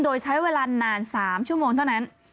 โดยใช้เวลานาน๓ชั่วโมงเท่านั้น